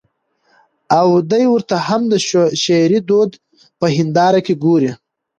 او دى ورته هم د شعري دود په هېنداره کې ګوري.